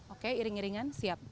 oke iring iringan siap